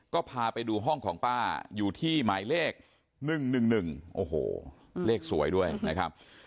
ก็พาไปดูห้องของป้าอยู่ที่หมายเลข๑๑๑โอ้โหเลขสวยด้วยนะครับ